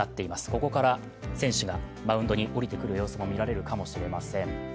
ここから選手がマウンドに降りてくる様子も見られるかもしれません。